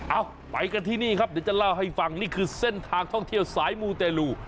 เอาไปกันที่นี่ครับเดี๋ยวจะเล่าให้ฟังนี่คือเส้นทางท่องเที่ยวสายมูเตลู